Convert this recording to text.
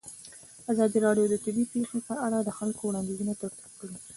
ازادي راډیو د طبیعي پېښې په اړه د خلکو وړاندیزونه ترتیب کړي.